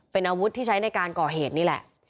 เป็นอาวุธที่ใช้ในการก่อเหตุนี่แหละ